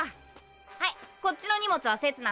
はいこっちの荷物はせつなな！